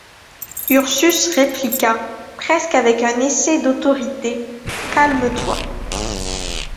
Ursus répliqua, presque avec un essai d’autorité: — Calme-toi.